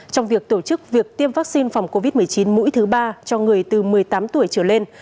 trong việc tổ chức việc tiêm vaccine phòng covid một mươi chín mũi thứ ba cho người từ một mươi tám tuổi trở lên